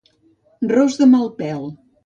Ros de mal pèl.